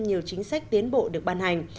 nhiều chính sách tiến bộ được ban hành